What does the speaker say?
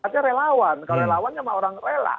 artinya relawan kalau relawan sama orang rela